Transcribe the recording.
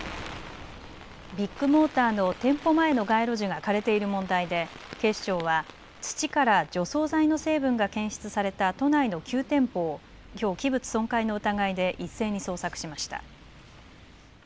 ビッグモーターの店舗前の街路樹が枯れている問題で警視庁は土から除草剤の成分が検出された都内の９店舗をきょう器物損壊の疑いで一斉に捜索しました。